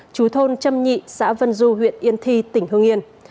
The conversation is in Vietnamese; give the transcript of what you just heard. chú thôn trâm nhị xã vân du huyện yên thi tỉnh hương yên